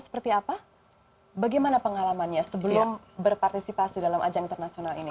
seperti apa bagaimana pengalamannya sebelum berpartisipasi dalam ajang internasional ini